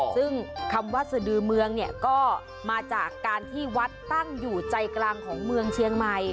ซึ่งคำว่าสดือเมืองเนี่ยก็มาจากการที่วัดตั้งอยู่ใจกลางของเมืองเชียงใหม่